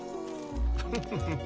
フッフフフ。